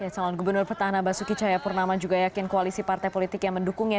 salon gubernur pertahanan basuki cahayapurnama juga yakin koalisi partai politik yang mendukungnya